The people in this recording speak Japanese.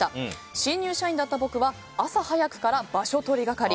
新入社員だった僕は、朝早くから場所取り係。